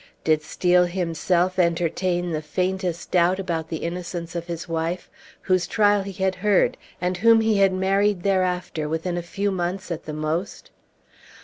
Did Steel himself entertain the faintest doubt about the innocence of his wife, whose trial he had heard, and whom he had married thereafter within a few months at the most?